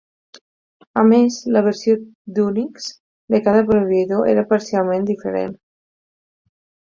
A més, la versió d'Unix de cada proveïdor era parcialment diferent.